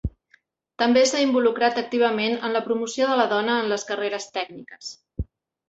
També s'ha involucrat activament en la promoció de la dona en les carreres tècniques.